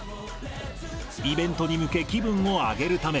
イベントに向け、気分を上げるため、